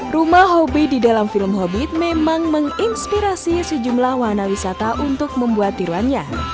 rumah hobbit di dalam film hobbit memang menginspirasi sejumlah warna wisata untuk membuat tiruannya